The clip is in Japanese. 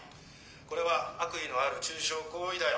これは悪意のある中傷行為だよ」。